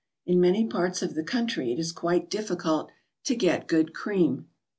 In many parts of the country it is quite difficult to get good cream.